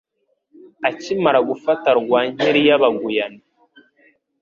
Akimara gufata Rwankeli y'Abaguyane,